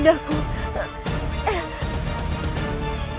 jangan bunuh ayahku